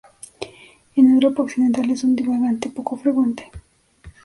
En Europa occidental es un divagante poco frecuente.